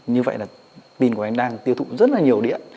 như vậy là pin của anh đang tiêu thụ rất là nhiều điện